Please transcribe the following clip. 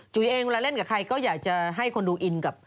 เองเวลาเล่นกับใครก็อยากจะให้คนดูอินกับ